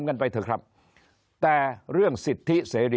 คนในวงการสื่อ๓๐องค์กร